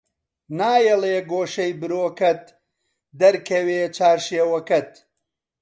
نایەڵێ گۆشەی برۆکەت دەرکەوێ چارشێوەکەت